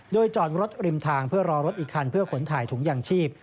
โดยจอดรถริมทางเพื่อรอรถอีกคันเพื่อขนถ่ายถุงยางชีพ